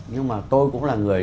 nhưng mà tôi cũng là người